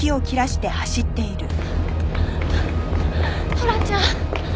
トラちゃん！